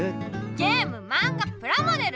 ゲームマンガプラモデル。